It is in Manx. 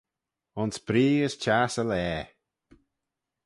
Ayns bree as çhiass y laa.